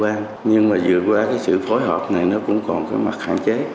quỹ bang nhưng mà dựa qua cái sự phối hợp này nó cũng còn cái mặt hạn chế